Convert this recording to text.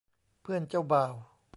เพื่อนเจ้าบ่าว